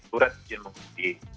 surat izin mengikuti